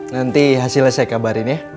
nanti hasilnya saya kabarin ya